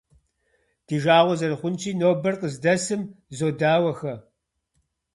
Ди жагъуэ зэрыхъунщи, нобэр къыздэсым зодауэхэ.